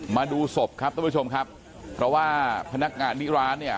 มาดูศพครับทุกผู้ชมครับเพราะว่าพนักงานที่ร้านเนี่ย